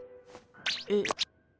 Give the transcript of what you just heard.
えっ？